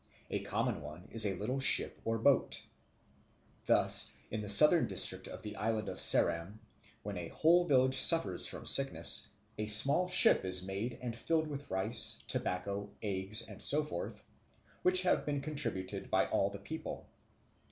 A common one is a little ship or boat. Thus, in the southern district of the island of Ceram, when a whole village suffers from sickness, a small ship is made and filled with rice, tobacco, eggs, and so forth, which have been contributed by all the people.